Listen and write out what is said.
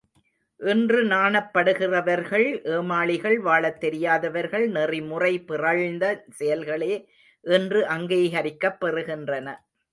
இன்று நாணப்படுகிறவர்கள் ஏமாளிகள் வாழத் தெரியாதவர்கள் நெறிமுறை பிறழ்ந்த செயல்களே இன்று அங்கீகரிக்கப் பெறுகின்றன!